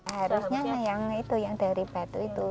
harusnya yang itu yang dari batu itu